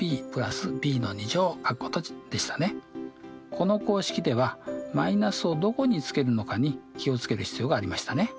この公式ではマイナスをどこにつけるのかに気を付ける必要がありましたね。